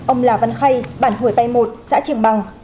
ông lào văn khay bản hồi tay một xã triềng bằng